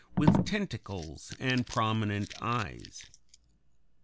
98) with tentacles and prominent eyes.